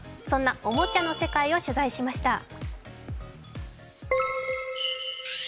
そんなおもちゃの世界を取材しました。